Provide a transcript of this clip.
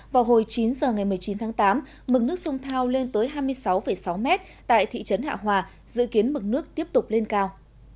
vào hồi chín giờ ngày một mươi chín tháng tám mực nước sông thao lên tới hai mươi sáu sáu mét tại thị trấn hạ hòa dự kiến mực nước tiếp tục lên cao